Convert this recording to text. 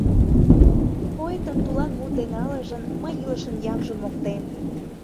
Поэтын тулан мут ден ылыжын, Мый илышын ямжым моктем.